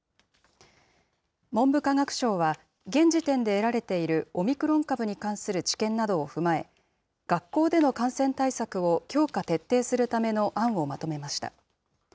文部科学省は、現時点で得られているオミクロン株に関する知見などを踏まえ、学校での感染対策を強化・徹底するための案をまとめました。